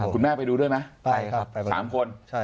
คุณแม่ไปดูด้วยมั้ย๓คน